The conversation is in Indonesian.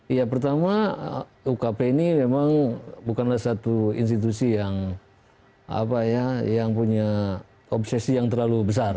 ya pertama ukp ini memang bukanlah satu institusi yang punya obsesi yang terlalu besar